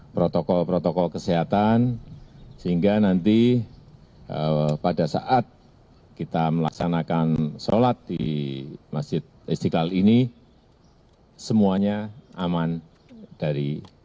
protokol protokol kesehatan sehingga nanti pada saat kita melaksanakan sholat di masjid istiqlal ini semuanya aman dari